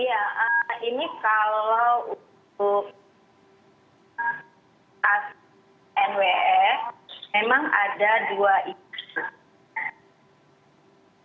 iya ini kalau untuk nwf memang ada dua isu